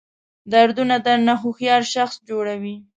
دردونه درنه هوښیار شخص جوړوي.